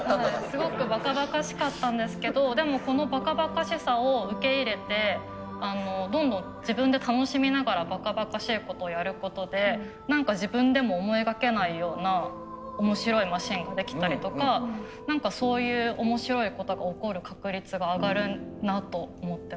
すごくばかばかしかったんですけどでもこのばかばかしさを受け入れてどんどん自分で楽しみながらばかばかしいことやることで何か自分でも思いがけないような面白いマシンができたりとか何かそういう面白いことが起こる確率が上がるなと思ってます。